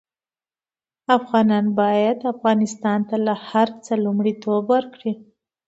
افغانان باید افغانستان ته له هر څه لومړيتوب ورکړي